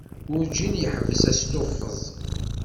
Werǧin yeḥbes asluffeẓ.